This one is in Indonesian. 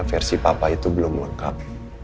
versi papa itu belum lengkap